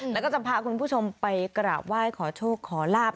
แล้วก็จะพาคุณผู้ชมไปกราบไหว้ขอโชคขอลาบ